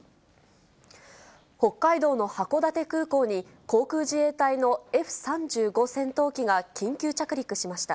北海道の函館空港に航空自衛隊のＦ３５戦闘機が緊急着陸しました。